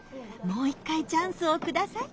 もう一回チャンスをください。